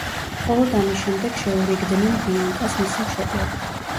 მხოლოდ ამის შემდეგ შეურიგდნენ ბიანკას მისი მშობლები.